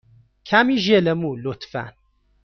کمی ژل مو، لطفا.